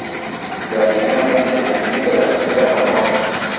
Tradicionalmente, el jinete representa a San Jorge.